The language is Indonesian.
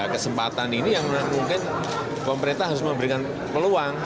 kesempatan ini yang mungkin pemerintah harus memberikan peluang